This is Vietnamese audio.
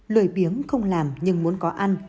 lười biếng không làm nhưng muốn có ăn